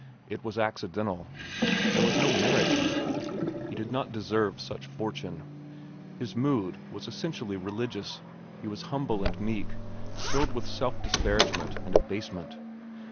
It was accidental. There was no merit in it. He did not deserve such fortune. His mood was essentially religious. He was humble and meek, filled with self disparagement and abasement.